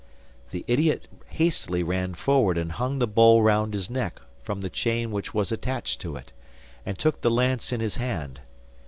The idiot hastily ran forward and hung the bowl round his neck from the chain which was attached to it, and took the lance in his hand.